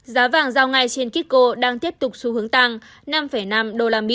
giá vàng giao ngay trên kitco đang tiếp tục xu hướng tăng năm năm usd